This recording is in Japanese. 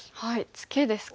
ツケですか。